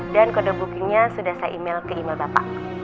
dan kode bookingnya sudah saya email ke email bapak